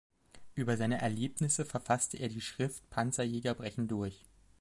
Über seine Erlebnisse verfasste er die Schrift "Panzerjäger brechen durch!